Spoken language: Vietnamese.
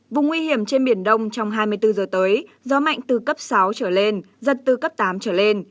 vùng nguy hiểm trên biển đông trong hai mươi bốn giờ tới gió mạnh từ cấp sáu trở lên giật từ cấp tám trở lên